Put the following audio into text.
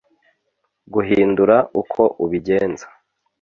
guhindura uko ubigenza